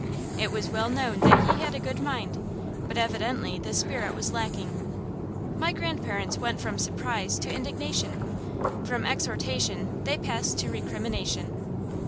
It was well known that he had a good mind, but evidently the spirit was lacking. My grandparents went from surprise to indignation, from exhortation they passed to recrimination.